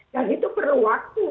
dan itu perlu waktu